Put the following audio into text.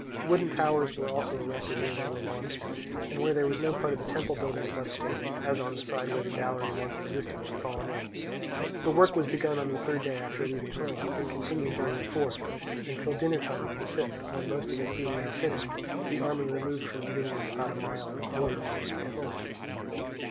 Wooden towers were also erected where they were wanted, and where there was no part of the temple buildings left standing, as on the side where the gallery once existing had fallen in. The work was begun on the third day after leaving home, and continued during the fourth, and till dinnertime on the fifth, when most of it being now finished the army removed from Delium about a mile and a quarter on its way home.